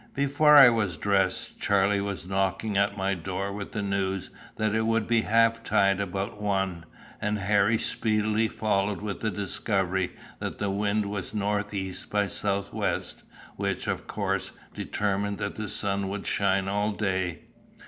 Before I was dressed, Charlie was knocking at my door with the news that it would be half tide about one; and Harry speedily followed with the discovery that the wind was north east by south west, which of course determined that the sun would shine all day.